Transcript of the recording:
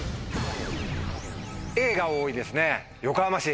Ａが多いですね横浜市。